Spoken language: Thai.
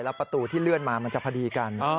ประตูที่เลื่อนมามันจะพอดีกัน